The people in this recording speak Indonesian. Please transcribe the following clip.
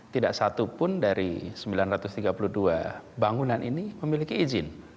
tidak satupun dari sembilan ratus tiga puluh dua bangunan ini memiliki izin